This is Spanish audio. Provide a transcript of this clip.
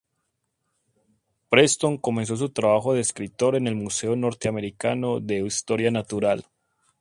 Preston comenzó su trabajo de escritor en el Museo Norteamericano de Historia Natural.